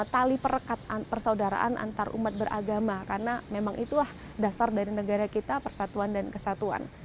tali perekat persaudaraan antarumat beragama karena memang itulah dasar dari negara kita persatuan dan kesatuan